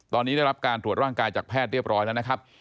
ตอนนี้ได้รับการตรวจร่างกายจากแพทย์เรียบร้อยแล้วนะครับ